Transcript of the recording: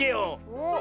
おっ。